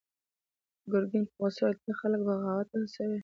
ګرګين په غوسه وويل: ته خلک بغاوت ته هڅوې!